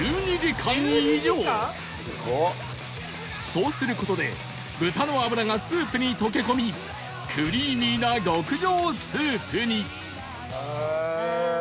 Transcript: そうする事で豚の脂がスープに溶け込みクリーミーな極上スープに